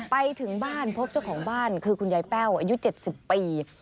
ไปถึงบ้านพบเจ้าของบ้านคือคุณยายแป้วอายุ๗๐ปี